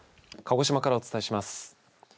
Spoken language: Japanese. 鹿児島からお伝えします。